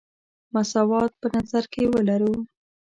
مساوات په نظر کې ولرو.